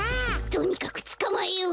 とにかくつかまえよう。